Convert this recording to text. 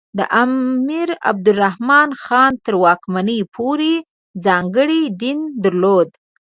د امیر عبدالرحمان خان تر واکمنۍ پورې ځانګړی دین درلود.